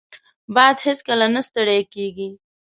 باد هیڅکله نه ستړی کېږي